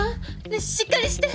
ねえしっかりして！